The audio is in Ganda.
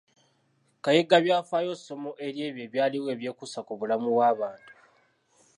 Kayigabyafaayo, ssomo ery’ebyo ebyaliwo ebyekuusa ku bulamu bw’abantu.